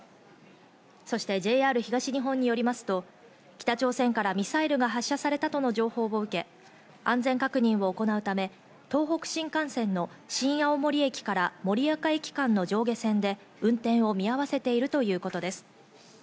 そしてＪＲ東日本によりますと、北朝鮮からミサイルが発射されたとの情報を受け、安全確認を行うため、東北新幹線の新青森駅から盛岡駅間の上下線で運転を見合わせているということです。